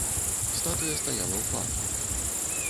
Статуя стаяла ў парку.